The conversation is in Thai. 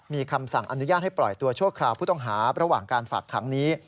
มีคำสั่งอนุญาตให้ปล่อยตัวชั่วคราวผู้ต้องหาระหว่างการฝากขังนี้